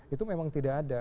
itu memang tidak ada